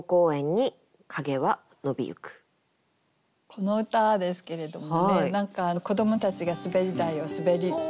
この歌ですけれどもね何か子どもたちが滑り台をすべってる。